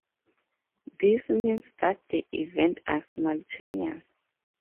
This means that the events are simultaneous.